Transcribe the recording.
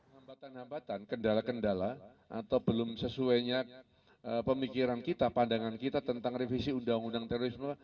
hambatan hambatan kendala kendala atau belum sesuainya pemikiran kita pandangan kita tentang revisi undang undang terorisme